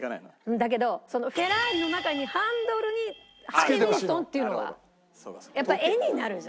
だけどフェラーリの中にハンドルにハリー・ウィンストンっていうのがやっぱ絵になるじゃん。